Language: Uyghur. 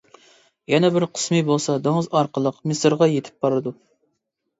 يەنە بىر قىسمى بولسا دېڭىز ئارقىلىق مىسىرغا يېتىپ بارىدۇ.